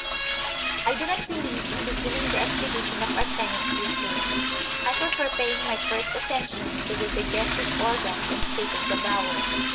I do not believe in beginning the exhibition of arsenic too soon. I prefer paying my first attentions to the digestive organs and state of the bowels.